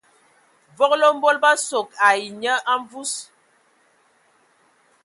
Vogolo mbol bə sogo ai nye a mvus.